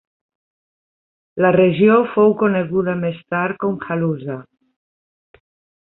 La regió fou coneguda més tard com Haluza.